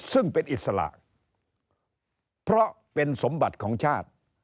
ซึ่งเป็นอิสระเพราะเป็นสมบัติของชาติ